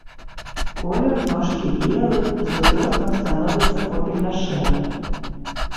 Колер ножкі белы, з узростам становіцца попельна-шэрым.